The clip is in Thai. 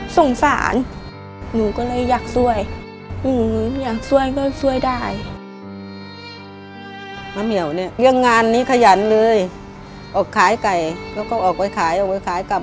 สงสารหนูก็เลยอยากซวยหนูอยากซวยก็ซวยได้